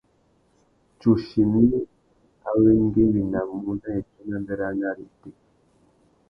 Tsuchimi i awéngüéwinamú nà itsôna béranari itéka.